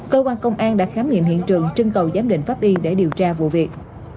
cơ quan công an đã khám nghiệm hiện trường trưng cầu giám định pháp y để điều tra vụ việc